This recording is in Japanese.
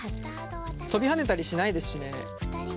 跳びはねたりしないですしね。